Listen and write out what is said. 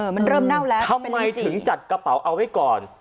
มันเริ่มเน่าแล้วทำไมถึงจัดกระเป๋าเอาไว้ก่อน